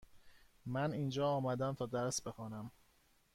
من اینجا آمدم تا درس بخوانم.